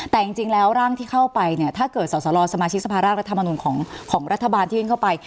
แต่จริงจริงแรงที่เข้าไปเนี่ยถ้าเกิดสอสรว์สมาชิกสภารกรรธรรมนูญของของรัฐบาลที่เข้าไป